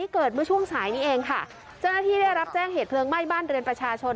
เกิดเมื่อช่วงสายนี้เองค่ะเจ้าหน้าที่ได้รับแจ้งเหตุเพลิงไหม้บ้านเรือนประชาชน